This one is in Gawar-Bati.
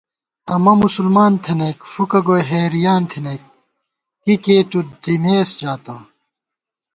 امہ مسلمان تھنَئیک فُکہ گوئی حېریان تھنَئیک کی کېئی تُو دِمېس ژاتہ